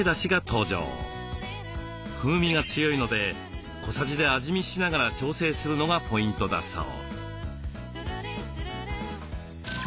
風味が強いので小さじで味見しながら調整するのがポイントだそう。